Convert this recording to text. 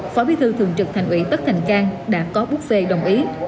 phó bí thư thường trực thành ủy tất thành cang đã có bút xê đồng ý